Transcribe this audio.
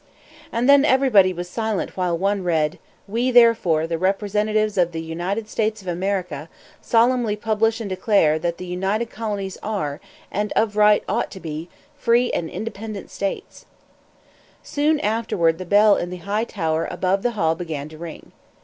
And then everybody was silent while one read: "We, therefore, the representatives of the United States of America, solemnly publish and declare that the united colonies are, and of right ought to be, free and independent states" Soon afterward the bell in the high tower above the hall began to ring.